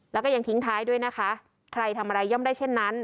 แล้วก็ยังทิ้งท้ายด้วยนะคะใครทำอะไรย่อมได้เช่นนั้น